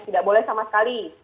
tidak boleh sama sekali